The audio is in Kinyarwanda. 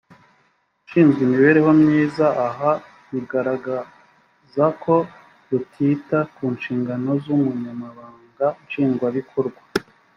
ushinzwe imibereho myiza aha bigararaza ko rutita ku nshingano z umunyamabanga nshingwabikorwa